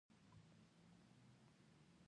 ولایتونه د افغانستان د ټولنې لپاره بنسټیز دي.